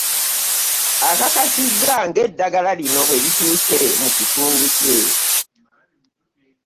Akakasizza ng'eddagala lino bwe lituuse mu kitundu kye